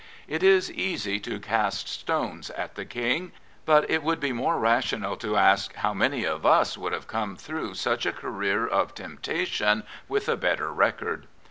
It is easy to cast stones at the King; but it would be more rational to ask how many of us would have come through such a career of temptation with a better record.